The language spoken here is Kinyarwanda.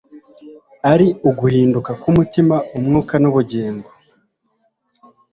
ari uguhinduka kumutima umwuka nubugingo